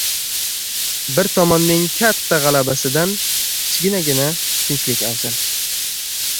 • Bir tomonning katta g‘alabasidan kichkinagina tinchlik afzal.